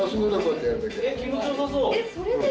気持ちよさそう。